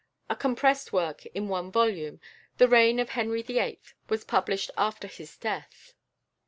A compressed work in one volume, "The Reign of Henry VIII.," was published after his death.